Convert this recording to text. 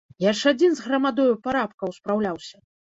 Я ж адзін з грамадою парабкаў спраўляўся!